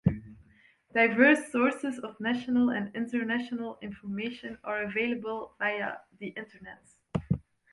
Diverse sources of national and international information are available via the Internet.